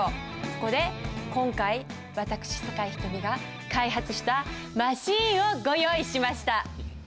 そこで今回私酒井瞳が開発したマシーンをご用意しました。